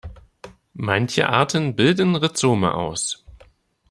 Manche Arten bilden Rhizome aus.